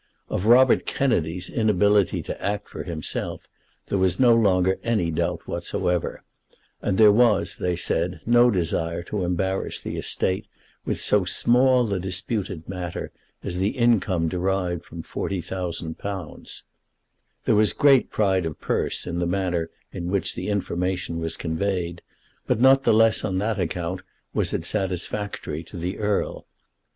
Of Robert Kennedy's inability to act for himself there was no longer any doubt whatever, and there was, they said, no desire to embarrass the estate with so small a disputed matter as the income derived from £40,000. There was great pride of purse in the manner in which the information was conveyed; but not the less on that account was it satisfactory to the Earl.